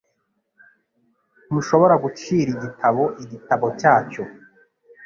Ntushobora gucira igitabo igitabo cyacyo